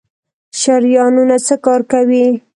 شریانونه څه کار کوي؟